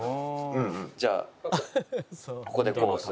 じゃあここでこう押す。